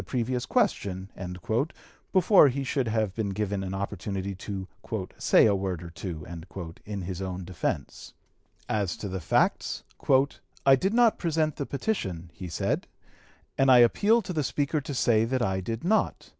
273) previous question" before he should have been given an opportunity to "say a word or two" in his own defence. As to the facts: "I did not present the petition," he said, "and I appeal to the Speaker to say that I did not....